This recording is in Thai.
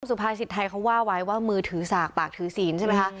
สุภาษิตไทยเขาว่าไว้ว่ามือถือสากปากถือศีลใช่ไหมคะ